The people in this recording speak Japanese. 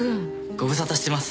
ご無沙汰してます。